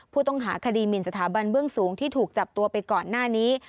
ผู้ต้องหาคดีหมินสถาบันเบื้องสูงที่ถูกจับตัวไปก่อนหน้านี้